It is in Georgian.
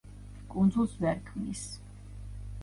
კუნძულს ვერ ქმნის.